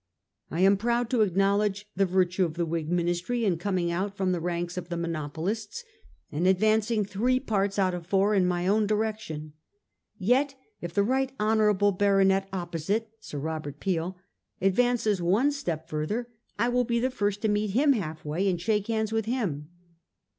I am proud to acknowledge the virtue of the Whig Ministry in coming out from the ranks of the mono polists and advancing three parts out of four in my own direction. Yet if the right honourable baronet opposite (Sir R. Peel) advances one step further, I will be the first to meet him, half way, and shake hands with him.